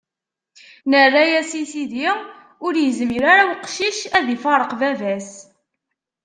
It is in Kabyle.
Nerra-as i sidi: Ur izmir ara uqcic ad ifareq baba-s.